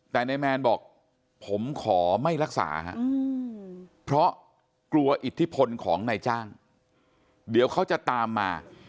แต่นายแมนบอกผมขอไม่รักษาเพราะกลัวอิทธิพลของนายจ้างเดี๋ยวเขาจะตามมา